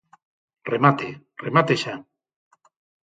Remate, remate xa.